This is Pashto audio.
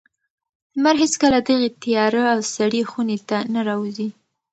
لمر هېڅکله دغې تیاره او سړې خونې ته نه راوځي.